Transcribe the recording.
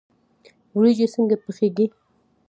وریجې څنګه پخیږي؟